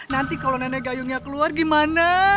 nanti kalau nenek gayungnya keluar gimana